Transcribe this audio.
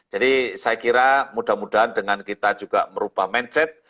jadi saya kira mudah mudahan dengan kita juga merubah mindset